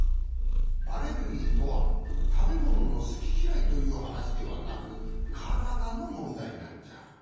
アレルギーとはたべもののすききらいというはなしではなくからだのもんだいなんじゃ。